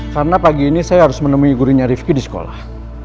karena pagi ini saya harus menemui gurunya rifqi di sekolah